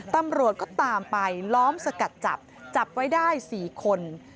ตำรวจก็ตามไปล้อมสกัดจับจับไว้ได้๔คน